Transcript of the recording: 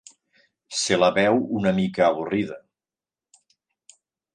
Se la veu una mica avorrida.